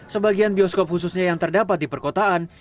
sebagian bioskop khususnya yang terdapat di perkotaan